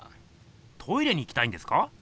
トイレに行きたいんですか？